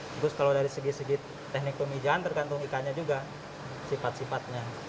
terus kalau dari segi segi teknik pemijaan tergantung ikannya juga sifat sifatnya